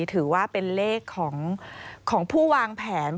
ถือว่าเป็นเลขของผู้วางแผน